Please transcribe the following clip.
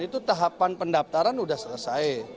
itu tahapan pendaftaran sudah selesai